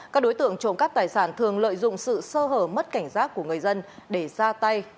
các đối tượng trộm cắp tài sản thường lợi dụng sự sơ hở mất cảnh giác của người dân để ra tay